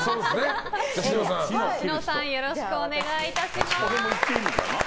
志乃さんよろしくお願いします。